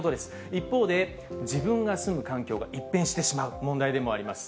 一方で、自分が住む環境が一変してしまう問題でもあります。